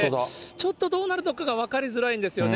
ちょっとどうなるのかが分かりづらいんですよね。